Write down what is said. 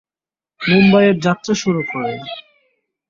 মুম্বাইয়ে যাত্রা শুরু করে।